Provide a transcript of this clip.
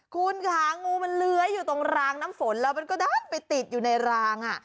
คุณค่ะงูมันเลื้อยอยู่ตรงรางน้ำฝนแล้วมันก็ด้านไปติดอยู่ในราง